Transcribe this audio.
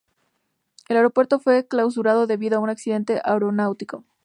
El aeropuerto fue clausurado debido a un accidente aeronáutico.